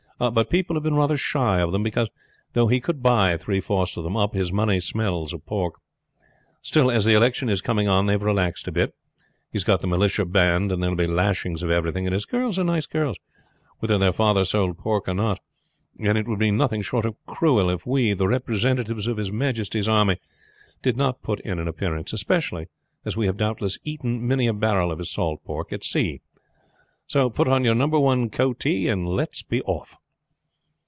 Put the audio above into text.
But people have been rather shy of them; because, though he could buy three fourths of them up, his money smells of pork. Still, as the election is coming on, they have relaxed a bit. He's got the militia band, and there will be lashings of everything; and his girls are nice girls, whether their father sold pork or not. And it would be nothing short of cruel if we, the representatives of his majesty's army, did not put in an appearance; especially as we have doubtless eaten many a barrel of his salt pork at sea. So put on your number one coatee and let's be off."